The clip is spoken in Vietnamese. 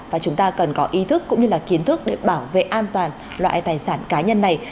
và chúng ta cần có ý thức cũng như là kiến thức để bảo vệ an toàn loại tài sản cá nhân này